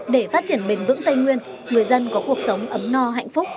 để phát triển bền vững tây nguyên người dân có cuộc sống ấm no hạnh phúc